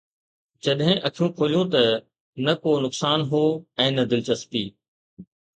جڏهن اکيون کوليون ته نه ڪو نقصان هو ۽ نه دلچسپي